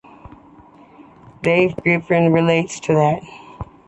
David Geffen relates to that.